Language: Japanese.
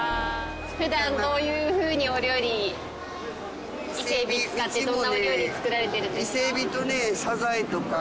普段どういうふうにお料理伊勢えび使ってどんなお料理作られてるんですか？